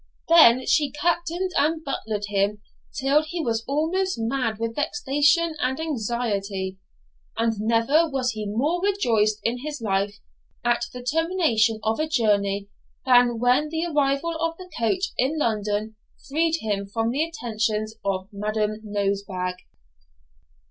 Then she Captain'd and Butler'd him till he was almost mad with vexation and anxiety; and never was he more rejoiced in his life at the termination of a journey than when the arrival of the coach in London freed him from the attentions of Madam Nosebag.